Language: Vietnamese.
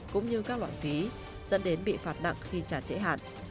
cũng như các loại phí dẫn đến bị phạt nặng khi trả trễ hạn